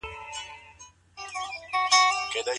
ولي کوښښ کوونکی د تکړه سړي په پرتله ژر بریالی کېږي؟